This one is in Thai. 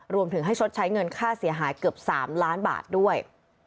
รวมถึงให้ชดใช้เงินค่าเสียหายเกือบ๓ล้านบาทด้วย